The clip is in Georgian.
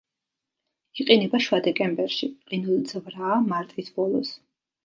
იყინება შუა დეკემბერში, ყინულძვრაა მარტის ბოლოს.